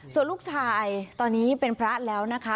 ส่วนลูกชายตอนนี้เป็นพระแล้วนะคะ